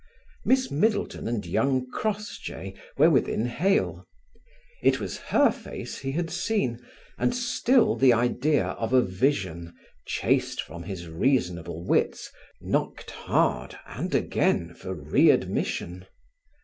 Miss Middleton and young Crossjay were within hail: it was her face he had seen, and still the idea of a vision, chased from his reasonable wits, knocked hard and again for readmission.